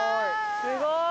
すごい！